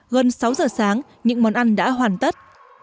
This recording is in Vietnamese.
gần sáu giờ sáng những món ăn đã hoàn tất